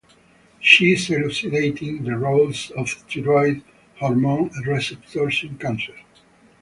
She is elucidating the roles of thyroid hormone receptors in cancers.